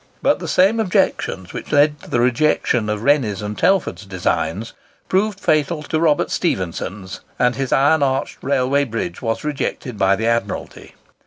But the same objections which led to the rejection of Rennie's and Telford's designs, proved fatal to Robert Stephenson's, and his iron arched railway bridge was rejected by the Admiralty.